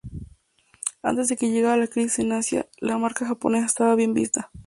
Antes de que llegará la crisis en Asia la marca japonesa estaba bien vista.